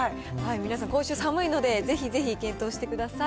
皆さん、今週、寒いので、ぜひぜひ検討してください。